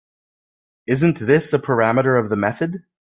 Isn’t this a parameter of the method?